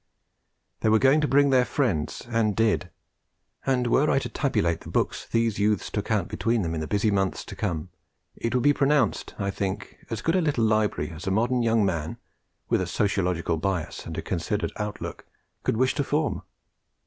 They were going to bring their friends, and did; and were I to tabulate the books these youths took out between them, in the busy month to come, it would be pronounced, I think, as good a little library as a modern young man, with a sociological bias and a considered outlook, could wish to form.